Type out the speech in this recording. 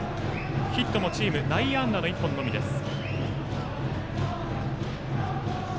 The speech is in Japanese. ヒットも内野安打の１本のみです。